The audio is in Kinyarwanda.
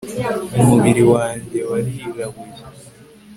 umubiri wanjye warirabuye